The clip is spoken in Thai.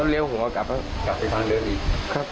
เออไม่รู้เหมือนกันว่ากลุ่มไหน